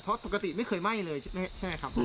เพราะปกติไม่เคยไหม้เลยใช่ครับ